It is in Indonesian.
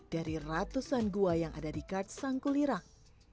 dari ratusan goa yang ada di kars sangku lirang